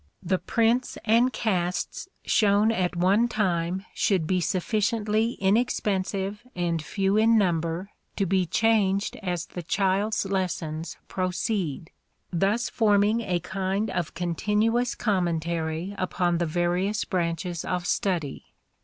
The prints and casts shown at one time should be sufficiently inexpensive and few in number to be changed as the child's lessons proceed, thus forming a kind of continuous commentary upon the various branches of study.